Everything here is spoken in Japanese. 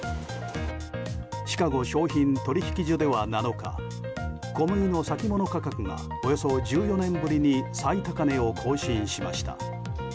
シカゴ商品取引所では７日小麦の先物価格がおよそ１４年ぶりに最高値を更新しました。